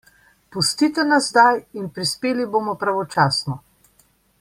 Pustite nas zdaj in prispeli bomo pravočasno.